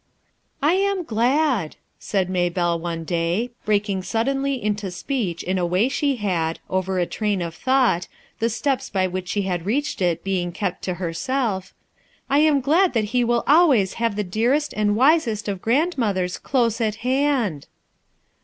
"I am glad," said Maybelle one day, break ing suddenly into speech in a way she had, over a train of thought, the steps by which she had reached it being kept to herself: "I am glad that he will always have the dearest and wisest of grandmothers close at hand."